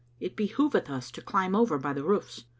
It behoveth us to climb over by the roofs."